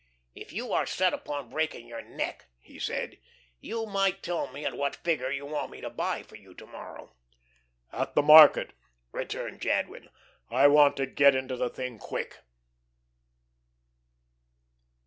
"If you are set upon breaking your neck," he said, "you might tell me at what figure you want me to buy for you to morrow." "At the market," returned Jadwin. "I want to get into the thing quick."